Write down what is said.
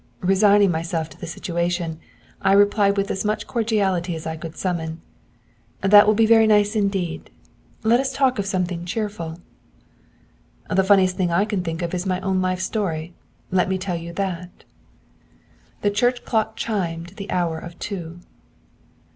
Resigning myself to the situation, I replied with as much cordiality as I could summon: 'That will be very nice indeed. Let us talk of something cheerful.' 'The funniest thing I can think of is my own life story. Let me tell you that.' The church clock chimed the hour of two.